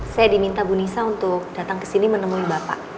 saya diminta bu nisa untuk datang kesini menemui bapak